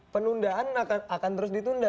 penundaan akan terus ditunda